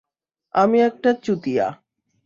আমি একটা চুতিয়া।